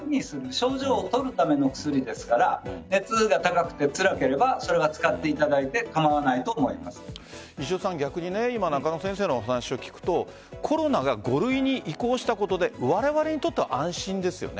症状を取るための薬ですから熱が高くて、つらければ使っていただいて中野先生のお話を聞くとコロナが５類に移行したことでわれわれにとっては安心ですよね。